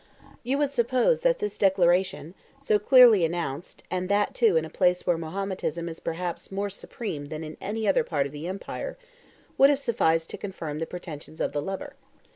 You would suppose that this declaration, so clearly enounced, and that, too, in a place where Mahometanism is perhaps more supreme than in any other part of the empire, would have sufficed to have confirmed the pretensions of the lover.